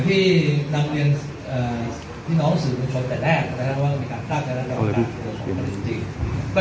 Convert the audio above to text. อันที่สองเนี่ยเป็นเรื่องกรณีการตลายหลบขา